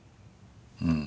うん。